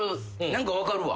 何か分かるわ。